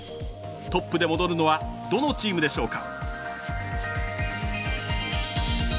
トップで戻るのはどのチームでしょうか。